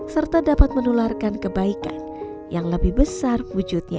serta dapat menularkan kebaikan yang lebih besar wujudnya